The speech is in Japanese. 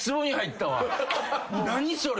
何それ？